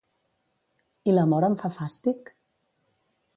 I L'amor em fa fàstic?